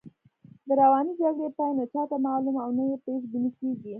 د روانې جګړې پای نه چاته معلوم او نه یې پیش بیني کېږي.